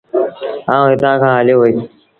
آئوٚݩ هتآݩ کآݩ هليو وهيٚس۔